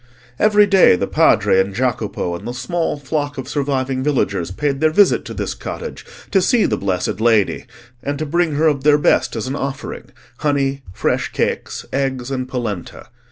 Every day the Padre and Jacopo and the small flock of surviving villagers paid their visit to this cottage to see the blessed Lady, and to bring her of their best as an offering—honey, fresh cakes, eggs, and polenta.